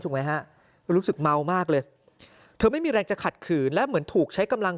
ไหมฮะรู้สึกเมามากเลยเธอไม่มีแรงจะขัดขืนและเหมือนถูกใช้กำลัง